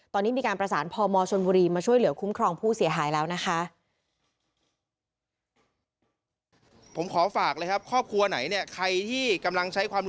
ตอนนี้มีการประสานพมชนบุรีมาช่วยเหลือคุ้มครองผู้เสียหายแล้วนะคะ